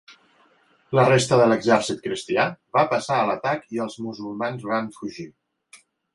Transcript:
La resta de l'exèrcit cristià va passar a l'atac i els musulmans van fugir.